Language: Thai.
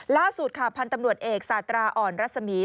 ล่าสุดค่ะพันธ์ตำรวจเอกสาตราอ่อนรัศมีร์